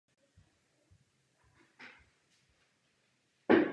Celý orloj je poháněn elektromotorem s mechanickými převody sil.